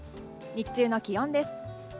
日中の気温です。